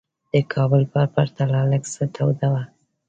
د کابل په پرتله لږ څه توده وه.